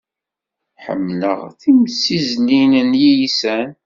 Ḥemmleɣ timsizzlin n yiysan.